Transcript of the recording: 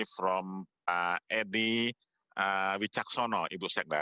pertama saya akan membaca pertanyaan dari ibu sekda